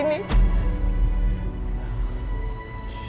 tante nawang pasti malah banget sama gue